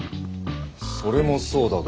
それもそうだが。